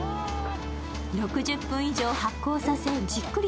６０分以上発酵させ、じっくり